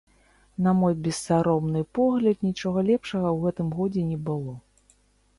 На мой бессаромны погляд, нічога лепшага ў гэтым годзе не было.